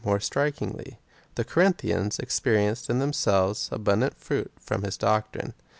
more strikingly.^ The Corinthians experienced in them selves abundant fruit from his doctrine.